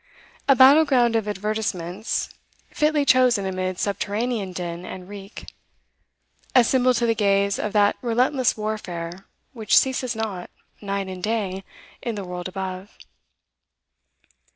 A battle ground of advertisements, fitly chosen amid subterranean din and reek; a symbol to the gaze of that relentless warfare which ceases not, night and day, in the world above.